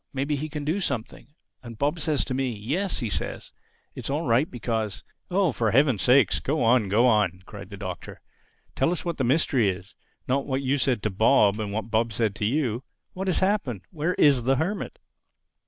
Maybe he can do something.' And Bob says to me, 'Yes,' says he, 'it's all right because—'" "Oh, for Heaven's sake, go on, go on!" cried the Doctor. "Tell us what the mystery is—not what you said to Bob and what Bob said to you. What has happened? Where is the Hermit?"